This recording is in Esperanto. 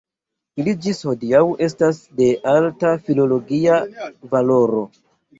Ili ĝis hodiaŭ estas de alta filologia valoro.